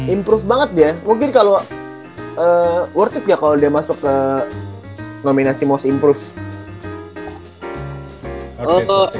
improve banget dia mungkin kalau worth it ya kalau dia masuk ke nominasi most improve